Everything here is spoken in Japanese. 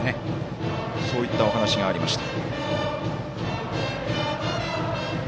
そういったお話がありました。